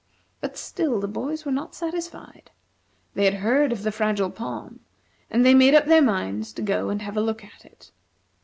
But still the boys were not satisfied. They had heard of the Fragile Palm, and they made up their minds to go and have a look at it.